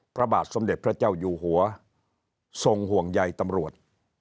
พระบาทสมเด็จพระเจ้าอยู่หัวทรงห่วงใยตำรวจ